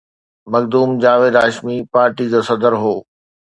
Makhdoom Javed Hashmi party جو صدر هو.